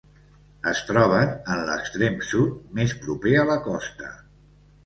Es troben en l'extrem sud més proper a la costa.